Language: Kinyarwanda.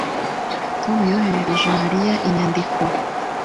Tom yoherereje Mariya inyandiko